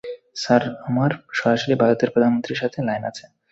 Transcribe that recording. Sir, আমার সরাসরি ভারতের প্রধানমন্ত্রীর সাথে লাইন আছে।